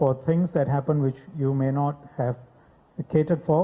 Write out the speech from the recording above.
untuk hal hal yang terjadi yang anda tidak pernah berhubungan dengan